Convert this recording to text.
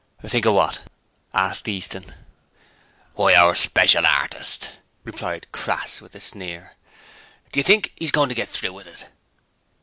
'Think of what?' asked Easton. 'Why, hour speshul hartist,' replied Crass with a sneer. 'Do you think 'e's goin' to get through with it?'